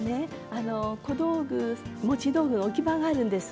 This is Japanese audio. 小道具持ち道具の置き場があるんです。